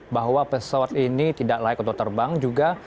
bahwa pesawat ini tidak layak untuk terbang juga